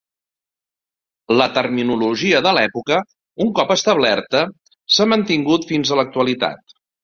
La terminologia de l'època, un cop establerta, s'ha mantingut fins a l'actualitat.